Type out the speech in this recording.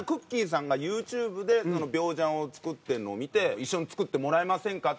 さんがＹｏｕＴｕｂｅで鋲ジャンを作ってるのを見て一緒に作ってもらえませんか？